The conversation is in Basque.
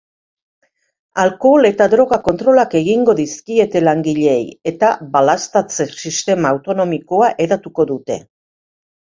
Alkohol eta droga kontrolak egingo dizkiete langileei eta balaztatze sistema automatikoa hedatuko dute.